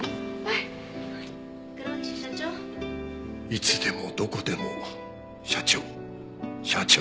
いつでもどこでも社長社長。